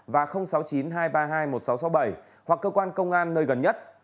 và sáu mươi chín hai trăm ba mươi hai một nghìn sáu trăm sáu mươi bảy hoặc cơ quan công an nơi gần nhất